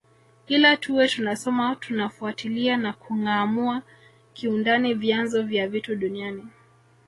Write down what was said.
Ila tuwe tunasoma tunafuatilia na kungâamua kiundani vyanzo vya vitu duniani